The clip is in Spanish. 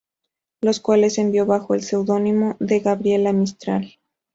Los cuales envió bajo el seudónimo de Gabriela Mistral.